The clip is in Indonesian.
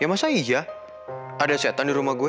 ya masa ija ada setan di rumah gue